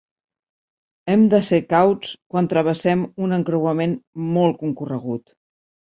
Hem de ser cauts quan travessem un encreuament molt concorregut.